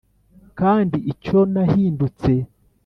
kandi icyo nahindutse